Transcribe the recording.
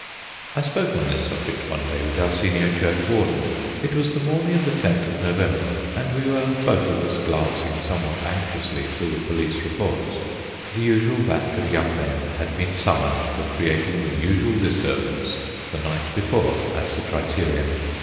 I spoke on this subject one day with our senior churchwarden. It was the morning of the 10th of November, and we were both of us glancing, somewhat anxiously, through the police reports. The usual batch of young men had been summoned for creating the usual disturbance the night before at the Criterion.